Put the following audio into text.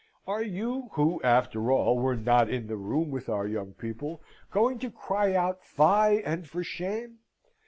Are you, who, after all, were not in the room with our young people, going to cry out fie and for shame?